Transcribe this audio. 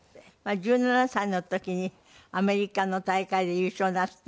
１７歳の時にアメリカの大会で優勝なすって。